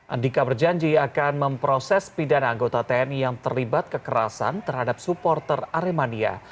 andika berjanji akan memproses pidana anggota tni yang terlibat kekerasan terhadap supporter aremania